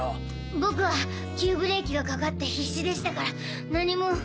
僕は急ブレーキがかかって必死でしたから何も。